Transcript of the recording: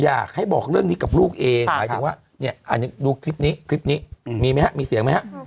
อยากให้บอกเรื่องนี้กับลูกเองดูคลิปนี้มีเสียงไหมครับ